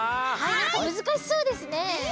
なんかむずかしそうですね。